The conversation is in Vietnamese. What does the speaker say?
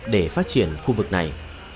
để phát triển khu vực này